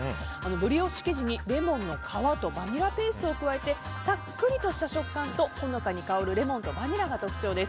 ブリオッシュ生地にレモンの皮とバニラペーストを加えてさっくりとした食感とほのかに香るレモンとバニラが特徴です。